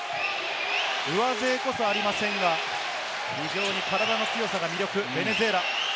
上背こそありませんが、非常に体の強さが魅力、ベネズエラ。